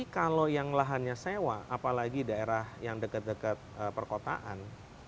kalau yang lahannya sewa apalagi daerah yang dekat dekat perkotaan